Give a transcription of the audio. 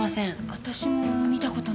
私も見た事ない。